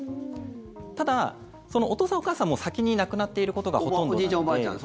ただ、お父さん、お母さんもう先に亡くなっていることがほとんどなので。